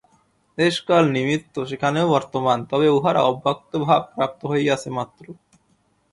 দেশ-কাল-নিমিত্ত সেখানেও বর্তমান, তবে উহারা অব্যক্তভাব প্রাপ্ত হইয়াছে মাত্র।